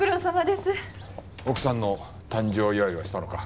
奥さんの誕生祝いはしたのか？